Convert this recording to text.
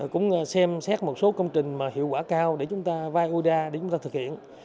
cũng xem xét một số công trình hiệu quả cao để chúng ta vai ui ra để chúng ta thực hiện